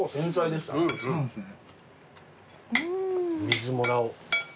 水もらおう。